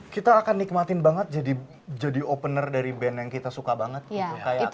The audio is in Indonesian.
kita akan nikmatin banget jadi opener dari band yang kita suka banget gitu